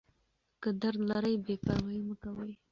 که درد لرئ بې پروايي مه کوئ.